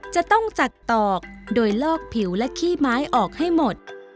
จะต้องสักตอกโดยลอกผิวและขี้ไม้ออกให้หมด